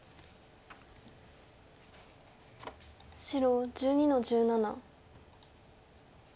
白１２の十七。